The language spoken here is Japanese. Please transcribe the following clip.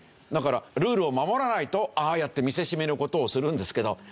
だからルールを守らないとああやって見せしめの事をするんですけど。